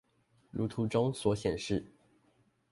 如圖中所顯示